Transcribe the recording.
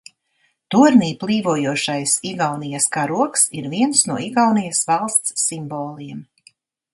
Tornī plīvojošais Igaunijas karogs ir viens no Igaunijas valsts simboliem.